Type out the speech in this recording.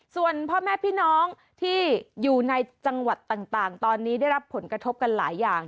ส่วนพ่อแม่พี่น้องที่อยู่ในจังหวัดต่างตอนนี้ได้รับผลกระทบกันหลายอย่าง